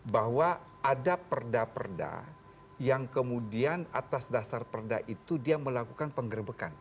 bahwa ada perda perda yang kemudian atas dasar perda itu dia melakukan penggerbekan